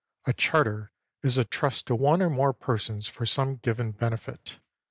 A charter is a trust to one or more persons for some given benefit.